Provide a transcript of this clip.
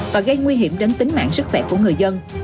và gây nguy hiểm đến tính mạng sức khỏe của người dân